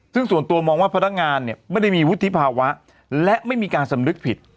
ซึ่งส่วนตัวมองว่าพนักงานเนี่ยไม่ได้มีวุฒิภาวะและไม่มีการสำนึกผิด